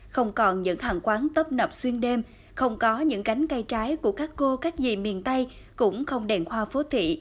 không còn những hàng quán tấp nập xuyên đêm không có những cánh cây trái của các cô cách gì miền tây cũng không đèn hoa phố thị